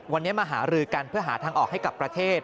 วันนี้มาหารือกันเพื่อหาทางออกให้กับประเทศ